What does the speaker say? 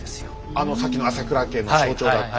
あのさっきの朝倉家の象徴だった。